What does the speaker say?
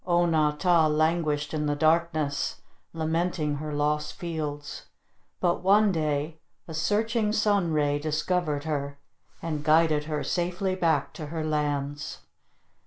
O na tah languished in the darkness, lamenting her lost fields. But one day a searching sun ray discovered her, and guided her safely back to her lands.